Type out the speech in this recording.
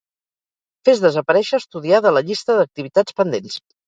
Fes desaparèixer estudiar de la llista d'activitats pendents.